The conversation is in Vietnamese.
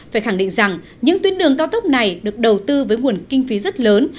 phải khẳng định rằng những tuyến đường cao tốc này được đầu tư với nguồn kinh phí rất lớn